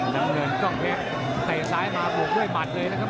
น้ำเงินกล้องเทคไหถ้ซ้ายมาบวกด้วยมัดเลยครับ